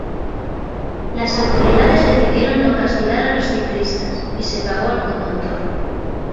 Las autoridades decidieron no castigar a los ciclistas, y se pagó al conductor.